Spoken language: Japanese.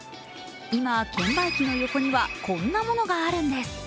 今、券売機の横にはこんなものがあるんです。